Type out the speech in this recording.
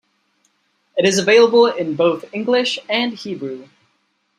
It is available in both English and Hebrew.